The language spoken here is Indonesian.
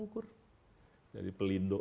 ngukur jadi pelindo